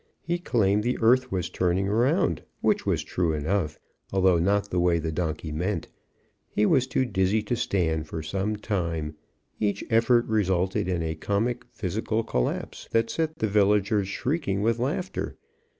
He claimed the earth was turning around, which was true enough, although not the way the donkey meant. He was too dizzy to stand for some time; each effort resulted in a comical physical collapse, that set the villagers shrieking with laughter.